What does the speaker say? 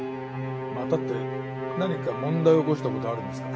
またって何か問題を起こした事あるんですか？